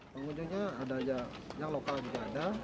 pengunjungnya ada yang lokal juga ada